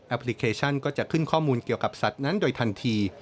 พลิเคชันก็จะขึ้นข้อมูลเกี่ยวกับสัตว์นั้นโดยทันที